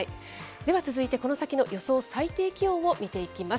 では続いてこの先の予想最低気温を見ていきます。